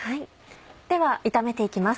では炒めて行きます。